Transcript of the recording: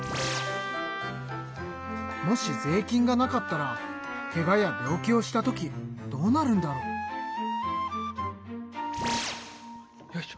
もし税金がなかったらけがや病気をした時どうなるんだろう？よいしょ。